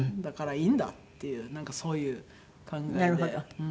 だからいいんだっていうなんかそういう考えで。